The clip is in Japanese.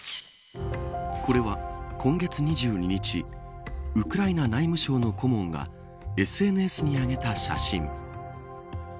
これは今月２２日ウクライナ内務省の顧問がＳＮＳにあげた写真。